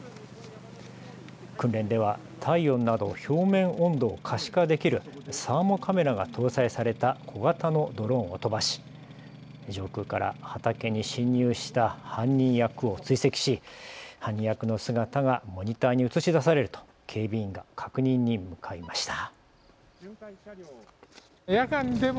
訓練では体温など表面温度を可視化できるサーモカメラが搭載された小型のドローンを飛ばし上空から畑に侵入した犯人役を追跡し犯人役の姿がモニターに映し出されると警備員が確認に向かいました。